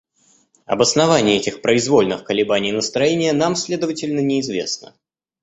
Обоснование этих произвольных колебаний настроения нам, следовательно, неизвестно.